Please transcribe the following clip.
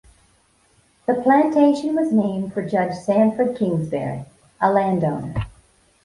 The plantation was named for Judge Sanford Kingsbury, a landowner.